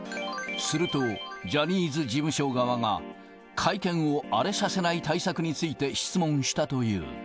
すると、ジャニーズ事務所側が、会見を荒れさせない対策について質問したという。